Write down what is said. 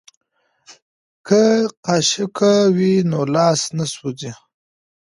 که قاشقه وي نو لاس نه سوځي.